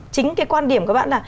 chính cái quan điểm các bạn là